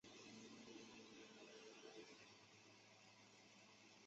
英语盲文是记录英语的盲文。